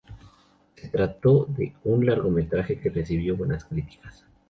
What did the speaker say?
Se trató de un largometraje que recibió buenas críticas.